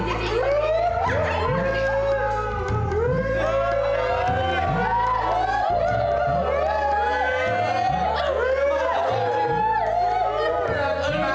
bisa buat siapa